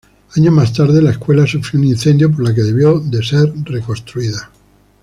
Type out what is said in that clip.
Años más tarde la escuela sufrió un incendio por lo que debió ser reconstruida.